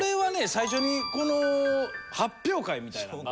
最初に発表会みたいなんが。